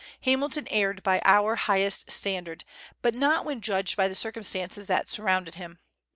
Hamilton erred by our highest standard, but not when judged by the circumstances that surrounded him.